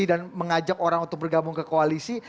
dan mengajak orang untuk bergabung ke koalisi